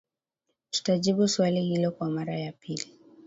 tutajibu swali hilo kwa mara ya pili